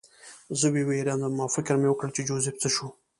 زه ووېرېدم او فکر مې وکړ چې جوزف څه شو